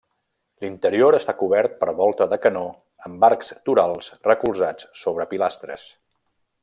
L'interior està cobert per volta de canó amb arcs torals recolzats sobre pilastres.